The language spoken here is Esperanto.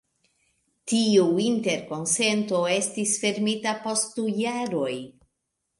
Tiu interkonsento estis fermita post du jaroj.